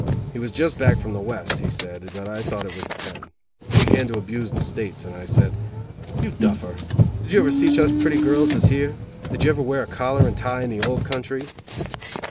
He was just back from the West, he said, but I thought it was the pen. He began to abuse the States, and I said: "You duffer, did you ever see such pretty girls as here? Did you ever wear a collar and tie in the old country?"